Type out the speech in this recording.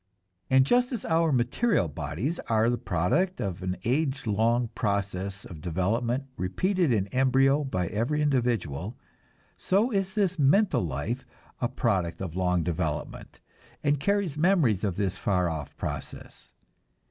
And just as our material bodies are the product of an age long process of development repeated in embryo by every individual, so is this mental life a product of long development, and carries memories of this far off process.